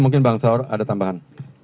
mungkin bang saur ada tambahan